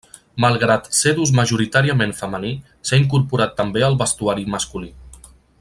Malgrat ser d'ús majoritàriament femení s'ha incorporat també al vestuari masculí.